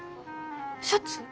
シャツ？